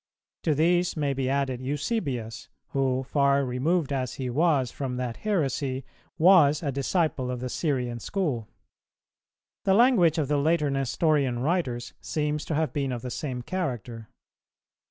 To these may be added Eusebius,[291:1] who, far removed, as he was, from that heresy, was a disciple of the Syrian school. The language of the later Nestorian writers seems to have been of the same character.